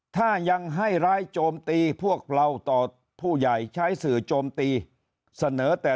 ถ้ายังให้ร้ายโจมตีพวกเราต่อผู้ใหญ่ใช้สื่อโจมตีเสนอแต่